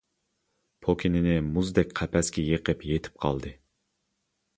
پوكىنىنى مۇزدەك قەپەسكە يېقىپ يېتىپ قالدى.